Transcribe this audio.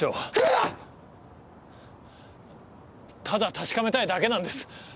ただ確かめたいだけなんです。